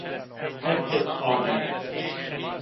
Her kes ame.